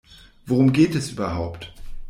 Worum geht es überhaupt?